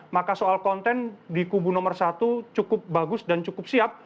maka soal konten di kubu nomor satu cukup bagus dan cukup siap